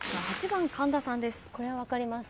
８番神田さんです。